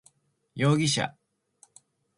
容疑者